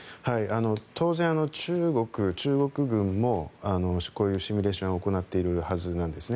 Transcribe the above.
当然、中国や中国軍もこういうシミュレーションを行っているはずなんですね。